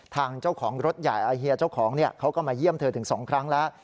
ทางเจ้าของรถใหญ่เฮียเจ้าของเขาก็มาเยี่ยมเธอถึง๒ครั้งแล้ว